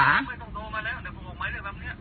ก็ไม่ต้องโทรมาแล้วเดี๋ยวผมออกหมายทำเนี่ย